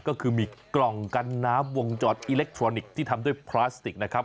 ก็คือมีกล่องกันน้ำวงจรอิเล็กทรอนิกส์ที่ทำด้วยพลาสติกนะครับ